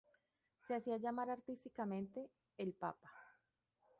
Se hacía llamar artísticamente "El Papa".